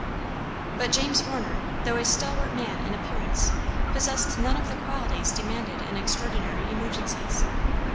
But James Warner, though a stalwart man in appearance, possessed none of the qualities demanded in extraordinary emergencies.